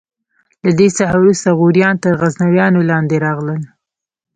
له دې څخه وروسته غوریان تر غزنویانو لاندې راغلل.